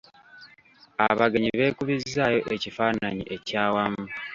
Abagenyi beekubizzaayo ekifaananyi ekyawamu.